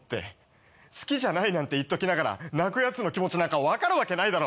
好きじゃないなんて言っときながら泣くやつの気持ちなんか分かるわけないだろ。